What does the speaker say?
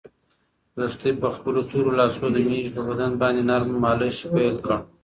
لښتې په خپلو تورو لاسو د مېږې په بدن باندې نرمه مالش پیل کړ.